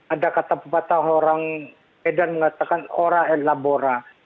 ada kata kata orang edan mengatakan ora elaborat